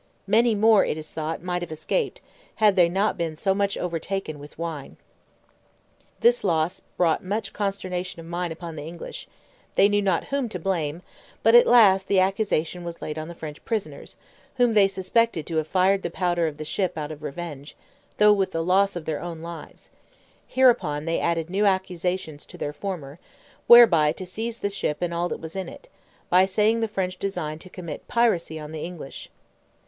Many more, it is thought, might have escaped, had they not been so much overtaken with wine. This loss brought much consternation of mind upon the English; they knew not whom to blame, but at last the accusation was laid on the French prisoners, whom they suspected to have fired the powder of the ship out of revenge, though with the loss of their own lives: hereupon they added new accusations to their former, whereby to seize the ship and all that was in it, by saying the French designed to commit piracy on the English.